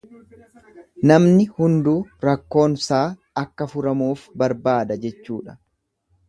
Namni hunduu rakkoonsaa akka furamuuf barbaada jechuudha.